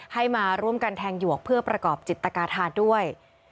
ให้มาร่วมกันแทงหยวกเพื่อประกอบจิตกาธานด้วย